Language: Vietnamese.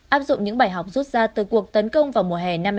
áp dụng những bài học rút ra từ cuộc tấn công vào mùa hè năm hai nghìn hai mươi bốn